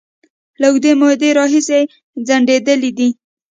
له اوږدې مودې راهیسې ځنډيدلې دي